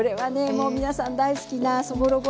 もう皆さん大好きなそぼろご飯はね